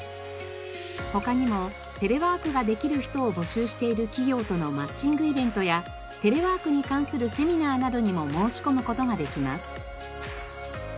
他にもテレワークができる人を募集している企業とのマッチングイベントやテレワークに関するセミナーなどにも申し込む事ができます。